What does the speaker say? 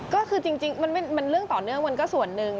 ก็คือจริงมันเรื่องต่อเนื่องมันก็ส่วนหนึ่ง